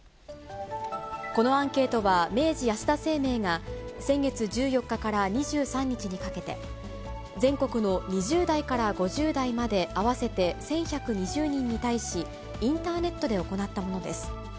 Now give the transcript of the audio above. このアンケートは、明治安田生命が、先月１４日から２３日にかけて、全国の２０代から５０代まで合わせて１１２０人に対し、インターネットで行ったものです。